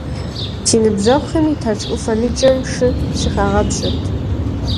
Си ныбжьэгъухэми Тэрч Ӏуфэ ныджэм шы щыхагъэпщырт.